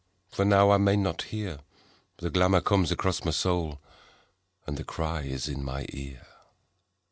For now I may not hear ... The glamour comes across my soul, And the cry is in my ear.